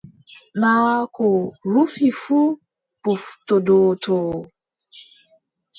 Naa ko rufi fuu ɓoftodottoo.